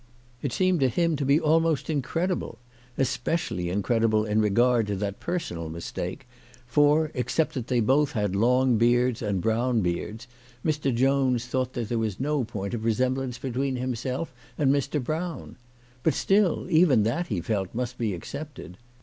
It seemed to him to be almost incredible, especially incredible in regard to that personal mistake, for, except that they both had long beards and brown beards, Mr. Jones thought that there CHRISTMAS AT THOMPSON HALL. 243 was no point of resemblance between himself and Mr. Brown. But still, even that, he felt, must be accepted.